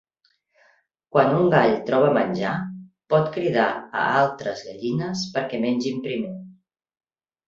Quan un gall troba menjar, pot cridar a altres gallines perquè mengin primer.